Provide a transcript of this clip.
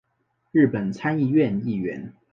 日本参议院议员。